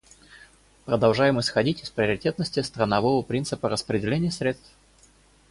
Продолжаем исходить из приоритетности странового принципа распределения средств.